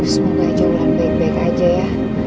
semoga aja wulan baik baik aja ya